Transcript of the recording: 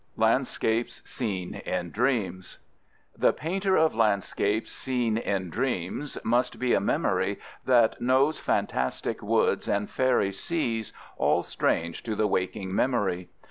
LANDSCAPES SEEN IN DREAMS The painter of landscapes seen in dreams must be a memory that knows fantastic woods and faery seas all strange to the waking memory.